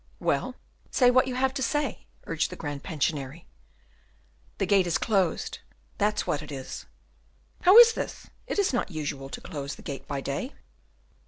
"Well, say what you have to say!" urged the Grand Pensionary. "The gate is closed, that's what it is." "How is this? It is not usual to close the gate by day."